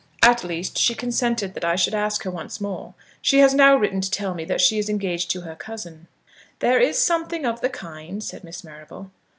At least, she consented that I should ask her once more. She has now written to tell me that she is engaged to her cousin." "There is something of the kind," said Miss Marrable.